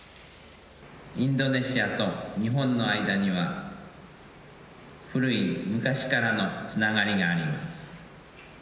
インドネシアと日本の間には、古い昔からのつながりがあります。